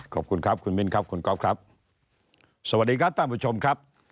ขอบคุณครับคุณมิ้นครับคุณก๊อฟครับสวัสดีครับท่านผู้ชมครับ